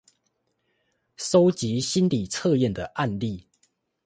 蒐集心理測驗的案例